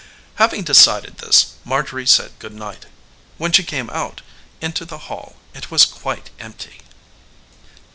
Having decided this, Marjorie said good night. When she came out into the hall it was quite empty.